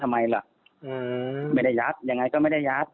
ไม่ได้ยัดยังไงก็ไม่ได้ยัด